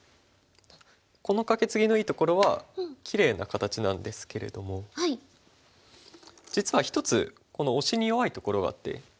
このカケツギのいいところはきれいな形なんですけれども実は１つこのオシに弱いところがあって。